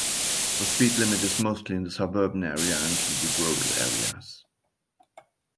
The speed limit is mostly in the suburban area, and in the rural areas.